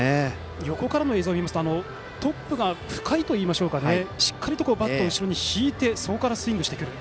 横からの映像を見るとトップが深いといいましょうかしっかりとバットを後ろに引いてそこからスイングしてくる。